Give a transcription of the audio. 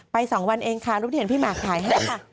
๒วันเองค่ะรูปที่เห็นพี่หมากขายให้ค่ะ